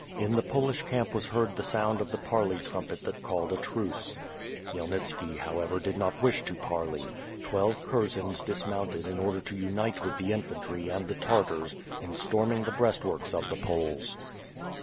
In the Polish camp was heard the sound of the parley trumpet that called a truce. Khmyelnitski, however, did not wish to parley. Twelve Kurzens dismounted in order to unite with the infantry and the Tartars in storming the breastworks of the Poles.